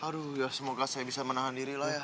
aduh ya semoga saya bisa menahan diri lah ya